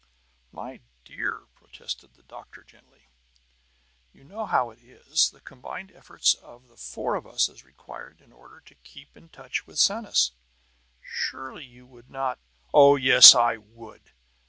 "My dear," protested the doctor gently, "you know how it is: the combined efforts of the four of us is required in order to keep in touch with Sanus. Surely you would not " "Oh, yes, I would!"